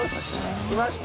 着きました。